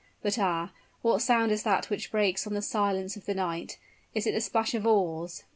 But, ah! what sound is that which breaks on the silence of the night! Is it the splash of oars?